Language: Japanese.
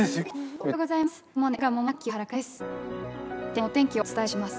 「おはようございます。